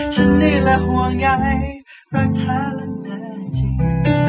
ฉันนี่แหละห่วงใหญ่รักแท้และแน่จริง